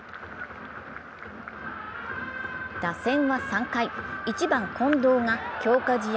打線は３回、１番・近藤が強化試合